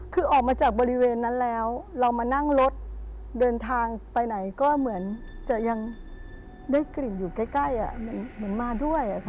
คือออกมาจากบริเวณนั้นแล้วเรามานั่งรถเดินทางไปไหนก็เหมือนจะยังได้กลิ่นอยู่ใกล้เหมือนมาด้วยค่ะ